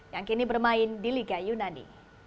yang kini bermain di liga yunani